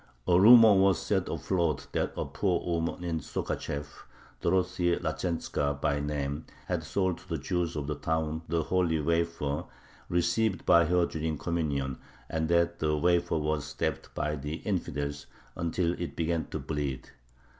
A rumor was set afloat that a poor woman in Sokhachev, Dorothy Lazhentzka by name, had sold to the Jews of the town the holy wafer received by her during communion, and that the wafer was stabbed by the "infidels" until it began to bleed.